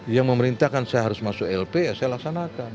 yang memerintahkan saya harus masuk lp ya saya laksanakan